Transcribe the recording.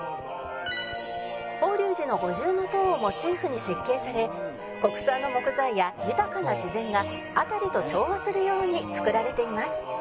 法隆寺の五重塔をモチーフに設計され国産の木材や豊かな自然が辺りと調和するように造られています